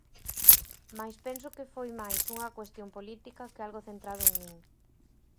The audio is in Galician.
Mais penso que foi máis unha cuestión política que algo centrado en min.